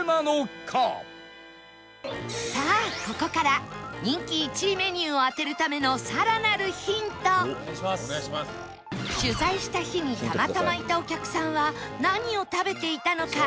さあここから人気１位メニューを当てるための取材した日にたまたまいたお客さんは何を食べていたのか？